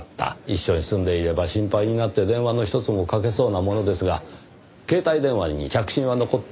一緒に住んでいれば心配になって電話のひとつもかけそうなものですが携帯電話に着信は残っていませんでした。